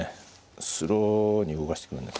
スローに動かしてくるんですよ。